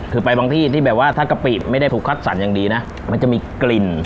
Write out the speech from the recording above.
คือไปบางที่ที่แบบว่าถ้ากะปิไม่ได้ถูกคัดสรรอย่างดีนะมันจะมีกลิ่น